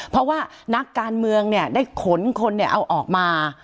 เพราะว่านักการเมืองเนี่ยได้ขนคนเนี่ยเอาออกมา